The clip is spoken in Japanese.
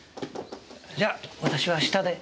じゃ私は下で。